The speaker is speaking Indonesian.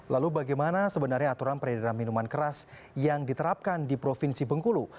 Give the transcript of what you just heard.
lalu bagaimana sebenarnya aturan peredaran minuman keras yang diterapkan di provinsi bengkulu